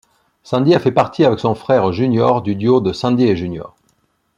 Sandy a fait partie avec son frère Junior du duo de Sandy & Junior.